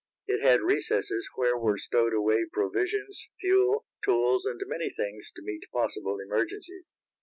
It had recesses where were stowed away provisions, fuel, tools, and many things to meet possible emergencies.